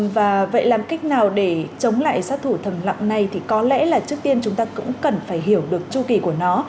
và vậy làm cách nào để chống lại sát thủ thầm lặng này thì có lẽ là trước tiên chúng ta cũng cần phải hiểu được chu kỳ của nó